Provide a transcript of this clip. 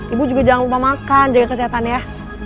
ibu juga jangan lupa makan jaga kesehatan ya